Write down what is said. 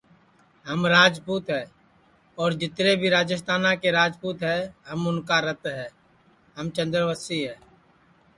ہم راجپوت ہے اور جیتر بھی راجیستانا کے راجپوت ہے ہم اُن کے رت ہے ہم چندوسی ہے